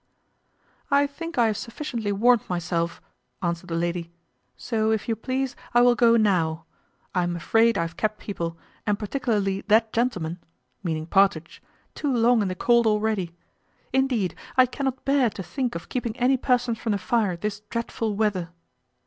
"I think I have sufficiently warmed myself," answered the lady; "so, if you please, I will go now; I am afraid I have kept people, and particularly that gentleman (meaning Partridge), too long in the cold already. Indeed, I cannot bear to think of keeping any person from the fire this dreadful weather."